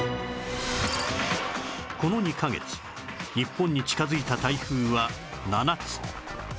この２カ月日本に近づいた台風は７つ